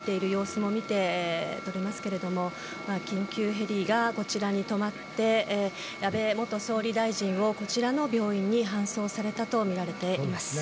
今、ヘリポートを誰か男性でしょうか歩いている様子も見て取れますけれども緊急ヘリがこちらに止まって安倍元総理大臣がこちらの病院に搬送されたとみられています。